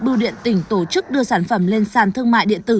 bưu điện tỉnh tổ chức đưa sản phẩm lên sàn thương mại điện tử